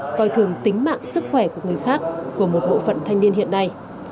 pháp luật coi thường tính mạng sức khỏe của người khác của một bộ phận thanh niên hiện nay